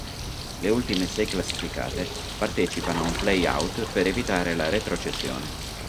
Le ultime sei classificate partecipano a un play-out per evitare la retrocessione.